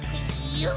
よっ。